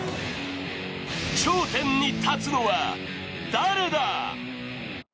頂点に立つのは、誰だ。